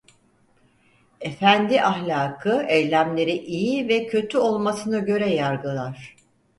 Efendi ahlakı eylemleri iyi ve kötü olmasına göre yargılar.